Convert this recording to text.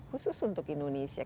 khusus untuk indonesia